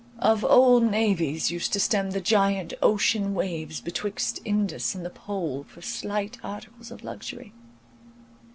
Of old navies used to stem the giant ocean waves betwixt Indus and the Pole for slight articles of luxury.